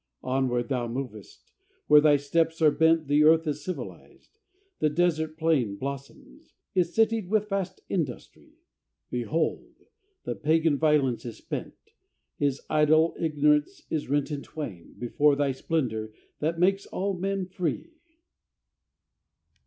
Onward thou movest: where thy steps are bent The Earth is civilized: the desert plain Blossoms is citied with vast industry. Behold! the pagan, Violence, is spent! His idol, Ignorance, is rent in twain Before thy splendor that makes all men free.